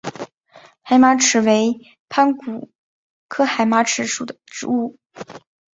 海马齿为番杏科海马齿属的植物。